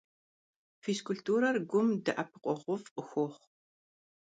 Физкультурэр гум дэӀэпыкъуэгъуфӀ къыхуохъу.